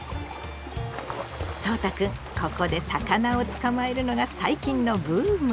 そうたくんここで魚を捕まえるのが最近のブーム。